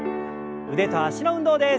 腕と脚の運動です。